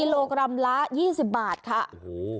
กิโลกรัมละยี่สิบบาทค่ะโอ้โห